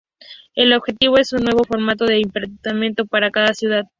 El objetivo es un nuevo formato de hipermercado para cada ciudad.